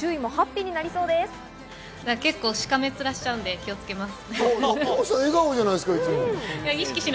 結構、しかめっ面しちゃうので気をつけます。